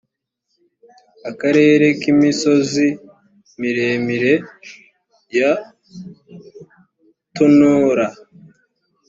akarere k imisozi miremire ya tonora